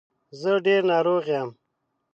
زه ډېر ناروغ یم.